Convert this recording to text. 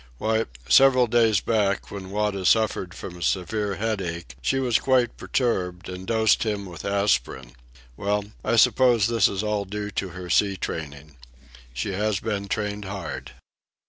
Why, several days back, when Wada suffered from a severe headache, she was quite perturbed, and dosed him with aspirin. Well, I suppose this is all due to her sea training. She has been trained hard.